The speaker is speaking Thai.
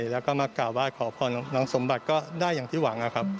แล้วก็มากราบว่าขอพรรณสมบัติก็ได้อย่างที่หวังครับ